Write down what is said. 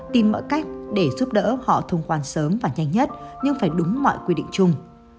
tìm mọi cách để giúp đỡ họ thông quan sớm và nhanh nhất nhưng phải đúng mọi quy định chung